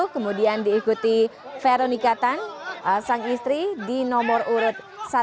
kemudian diikuti veronika tan sang istri di nomor urut satu ratus empat puluh delapan